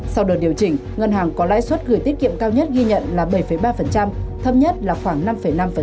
sau đợt điều chỉnh ngân hàng có lãi suất gửi tiết kiệm cao nhất ghi nhận là bảy ba thấp nhất là khoảng năm năm